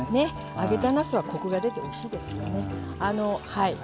揚げたなすはコクが出ておいしいですよね。